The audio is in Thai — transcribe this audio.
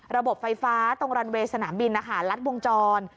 ระบบไฟฟ้าตรงรันเวย์สนามบินลัดวงจร